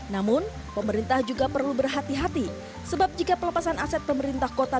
namun pemerintah juga perlu berhati hati sebab jika pelepasan aset pemerintah kota